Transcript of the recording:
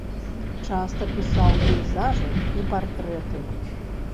Часта пісаў пейзажы і партрэты.